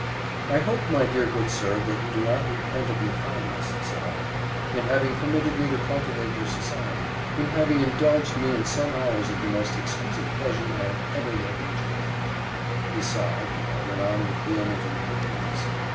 "I hope, my dear good sir, that you do not repent of your kindness," said I, "in having permitted me to cultivate your society, in having indulged me in some hours of the most exquisite pleasure I ever yet enjoyed." He sighed; and I went on with vehement incoherence.